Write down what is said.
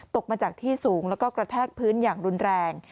ตกมาจากที่สูงแล้วก็กระแทกพื้นอย่างรุนแรง